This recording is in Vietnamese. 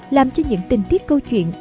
làm cho những tình tiết câu chuyện